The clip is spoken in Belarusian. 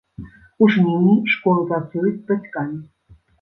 У жніўні школы працуюць з бацькамі.